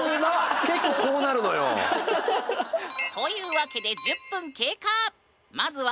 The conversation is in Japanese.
結構こうなるのよ。というわけで１０分経過！